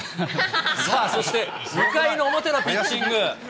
そして２回の表のピッチング。